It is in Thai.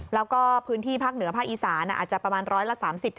แล้วก็พื้นที่ภาคเหนือภาคอีสานอาจจะประมาณร้อยละ๓๐